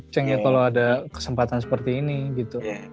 cengnya kalau ada kesempatan seperti ini gitu